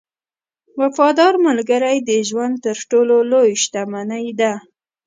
• وفادار ملګری د ژوند تر ټولو لوی شتمنۍ ده.